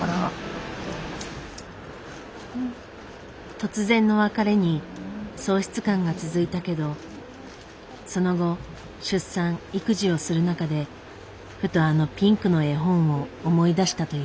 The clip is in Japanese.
突然の別れに喪失感が続いたけどその後出産育児をする中でふとあのピンクの絵本を思い出したという。